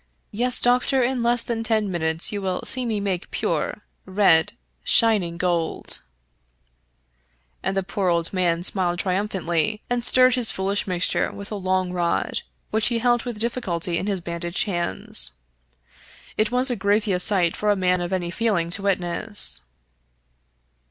Yes, doctor, in less than ten minutes you will see me make pure, red, shining gold !" And the poor old man smiled triumphantly, and stirred his foolish mixture with a long rod, which he held with difficulty in his bandaged hands. It was a grievous sight for a man of any feeling to witness.